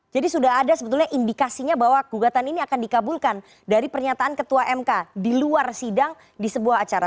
jadi sudah ada sebetulnya indikasinya bahwa gugatan ini akan dikabulkan dari pernyataan ketua mk di luar sidang di sebuah acara